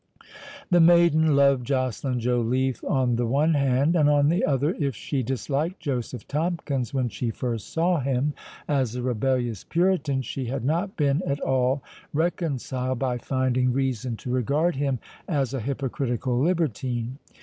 The maiden loved Joceline Joliffe, on the one hand; and, on the other, if she disliked Joseph Tomkins when she first saw him, as a rebellious puritan, she had not been at all reconciled by finding reason to regard him as a hypocritical libertine.